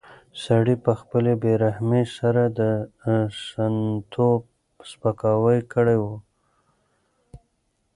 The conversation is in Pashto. سړي په خپلې بې رحمۍ سره د سنتو سپکاوی کړی و.